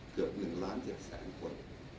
เกือบ๑ล้าน๗แสนคน